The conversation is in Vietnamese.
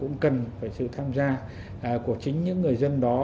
nhưng mà cũng cần phải sự tham gia của chính những người dân đó